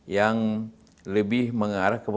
yang lebih mengarah ke